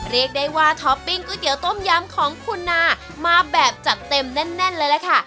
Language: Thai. เรียกได้ว่าท็อปปิ้งก๋วเตี๋ต้มยำของคุณนามาแบบจัดเต็มแน่นเลยล่ะค่ะ